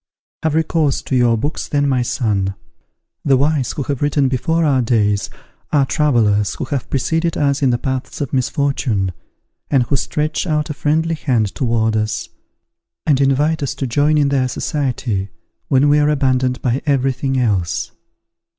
"Have recourse to your books, then, my son. The wise who have written before our days are travellers who have preceded us in the paths of misfortune, and who stretch out a friendly hand towards us, and invite us to join in their society, when we are abandoned by every thing else.